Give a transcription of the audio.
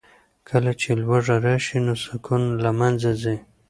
کله چې لوږه راشي نو سکون له منځه ځي.